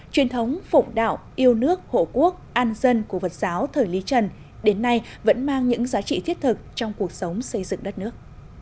truyền thống phụng đạo yêu nước hộ quốc an dân của phật giáo thời lý trần đến nay vẫn mang những giá trị thiết thực trong cuộc sống xây dựng đất nước